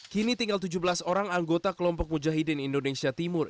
kini tinggal tujuh belas orang anggota kelompok mujahidin indonesia timur